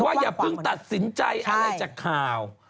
อย่าเพิ่งตัดสินใจอะไรจากข่าว